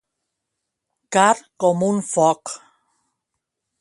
Car com un foc.